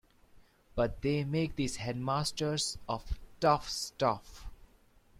But they make these head masters of tough stuff.